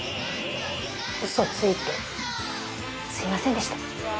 嘘ついてすいませんでした。